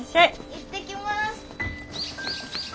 行ってきます。